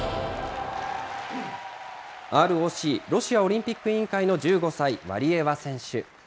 ＲＯＣ・ロシアオリンピック委員会の１５歳、ワリエワ選手。